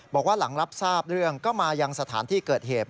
บอกว่าหลังรับทราบเรื่องก็มายังสถานที่เกิดเหตุ